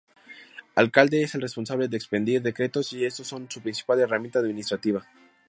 Alcalde es el responsable de expedir decretos y estos son su principal herramienta administrativa.